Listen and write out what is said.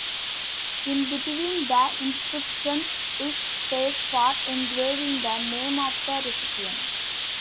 In between the inscriptions is space for engraving the name of the recipient.